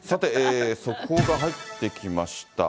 さて、速報が入ってきました。